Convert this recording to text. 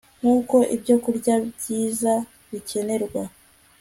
nkuko ibyokurya byiza bikenerwa